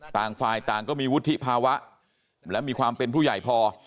ต่างฝ่ายต่างก็มีวุฒิภาวะและมีความเป็นผู้ใหญ่พอ